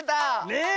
ねえ！